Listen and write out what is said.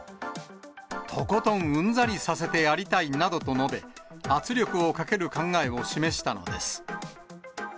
とことんうんざりさせてやりたいなどと述べ、圧力をかける考えを示したのです。